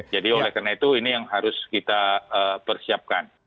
jadi oleh karena itu ini yang harus kita persiapkan